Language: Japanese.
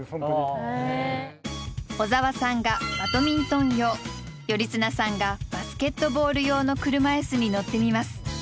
小沢さんがバドミントン用頼綱さんがバスケットボール用の車いすに乗ってみます。